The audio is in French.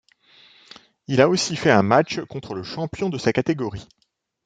Il a aussi fait un match contre le champion de sa catégorie.